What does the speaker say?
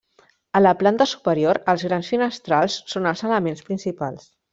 A la planta superior els grans finestrals són els elements principals.